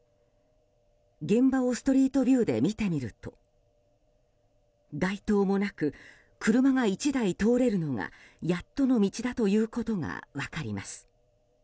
現場をストリートビューで見てみると街灯もなく、車が１台通れるのがやっとの道だということが分かります。